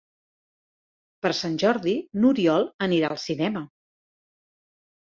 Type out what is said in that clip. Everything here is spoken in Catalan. Per Sant Jordi n'Oriol anirà al cinema.